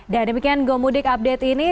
dan demikian gomudik update ini